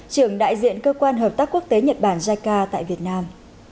trưởng đại diện cơ quan hợp tác quốc tế nhật bản jica tại việt nam